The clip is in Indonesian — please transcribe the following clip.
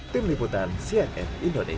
tim liputan cnn indonesia